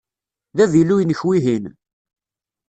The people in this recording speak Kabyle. D avilu-inek wihin?